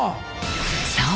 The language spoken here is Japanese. そう。